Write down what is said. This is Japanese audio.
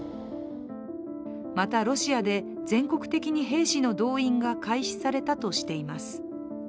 また、ロシアで全国的に兵士の動員が開始されたとしています。